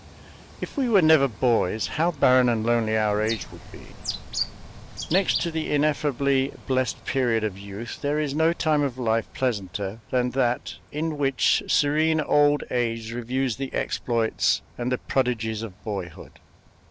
If we were never boys, how barren and lonely our age would be. Next to the ineffably blessed period of youth there is no time of life pleasanter than that in which serene old age reviews the exploits and the prodigies of boyhood.